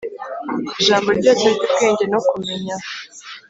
Mu ijambo ryose ry’ubwenge no kumenya